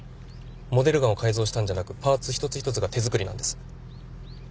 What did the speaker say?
モデルガンを改造したんじゃなくパーツ一つ一つが手作りなんです。